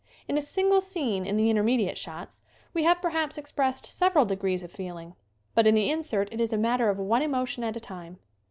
In a single scene, in the intermediate shots, we have perhaps expressed several de grees of feeling but in the insert it is a matter of one emotion at a time.